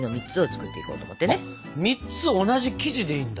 ３つ同じ生地でいいんだ。